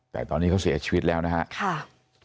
แต่ตอนนี้เขาเสียชีวิตแล้วนะครับ